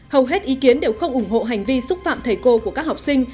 hầu hết ý kiến đều không ủng hộ hành vi xúc phạm thầy cô của các học sinh